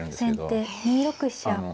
先手２六飛車。